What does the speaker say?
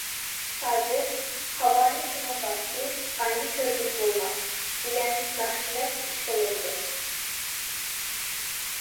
ھازىر« ھاۋانى تۇمان باستى، ئاينى كۆرگىلى بولماس» دېگەن ناخشىدەك ئىش بولۇۋاتىدۇ.